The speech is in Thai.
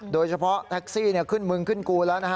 โดยเฉพาะแท็กซี่ขึ้นมึงขึ้นกูแล้วนะฮะ